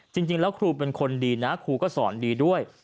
จริงแล้วครูเป็นคนดีนะครูก็สอนดีด้วย